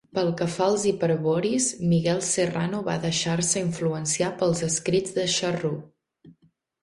Pel que fa als hiperboris, Miguel Serrano va deixar-se influenciar pels escrits de Charroux.